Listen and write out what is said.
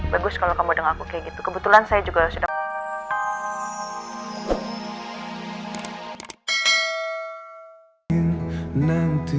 bagus kalau kamu dengar aku kayak gitu kebetulan saya juga sudah